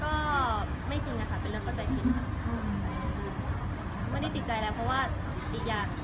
ก็ไม่จริงอะค่ะเป็นเรื่องเข้าใจผิดค่ะไม่ได้ติดใจแล้วเพราะว่าอีกอย่าง